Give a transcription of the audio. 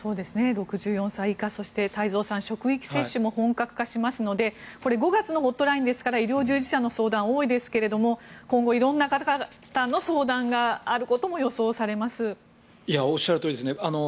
６４歳以下、そして太蔵さん職域接種も本格化しますのでこれ５月のホットラインですから医療従事者の相談多いですけれど今後色んな方々の相談があることもおっしゃるとおりですね。